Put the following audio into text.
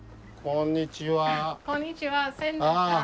こんにちは。